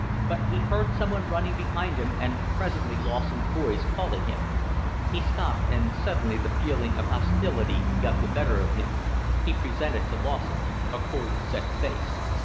But he heard someone running behind him and presently Lawson's voice calling him; he stopped and suddenly the feeling of hostility got the better of him; he presented to Lawson a cold, set face.